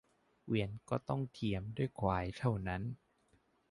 เกวียนก็ต้องเทียมด้วยควายเท่านั้น